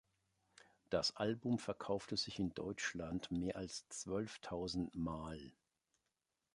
Das Album verkaufte sich in Deutschland mehr als zwölftausend Mal.